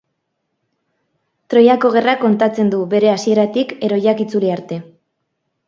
Troiako Gerra kontatzen du, bere hasieratik, heroiak itzuli arte.